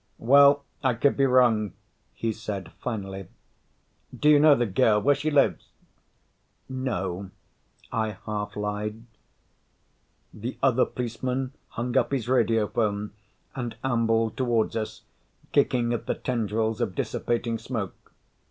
"Well, I could be wrong," he said finally. "Do you know the girl? Where she lives?" "No," I half lied. The other policeman hung up his radiophone and ambled toward us, kicking at the tendrils of dissipating smoke.